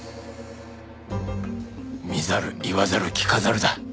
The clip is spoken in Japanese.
見ざる言わざる聞かざるだ。